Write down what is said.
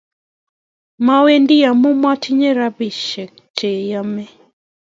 Mawendi amun matinye rapistek che yame